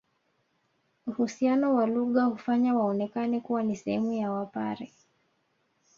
Uhusiano wa lugha hufanya waonekane kuwa ni sehemu ya Wapare